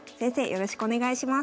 よろしくお願いします。